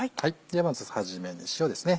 まずはじめに塩ですね